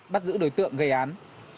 bắt giữ đối tượng gây án